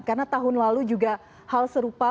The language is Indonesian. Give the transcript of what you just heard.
karena tahun lalu juga hal serupa